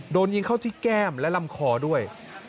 โดนยิงเข้าที่แก้มและลำคอด้วย